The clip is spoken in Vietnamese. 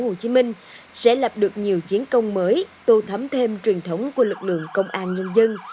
hồ chí minh sẽ lập được nhiều chiến công mới tô thấm thêm truyền thống của lực lượng công an nhân dân